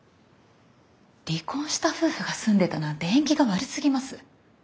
離婚した夫婦が住んでたなんて縁起が悪すぎます。